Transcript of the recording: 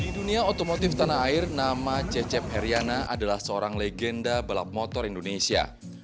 di dunia otomotif tanah air nama cecep heriana adalah seorang legenda balap motor indonesia